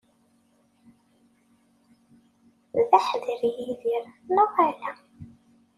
D aḥedri Yidir, neɣ ala?